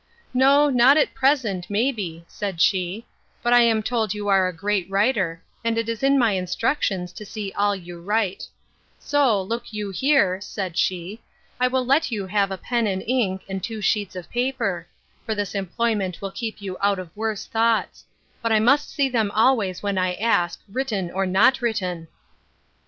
No, not at present, may be, said she; but I am told you are a great writer; and it is in my instructions to see all you write: So, look you here, said she, I will let you have a pen and ink, and two sheets of paper: for this employment will keep you out of worse thoughts: but I must see them always when I ask, written or not written.